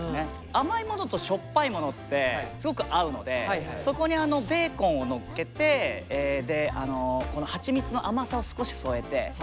甘いものとしょっぱいものってすごく合うのでそこにベーコンをのっけてでこのはちみつの甘さを少し添えて。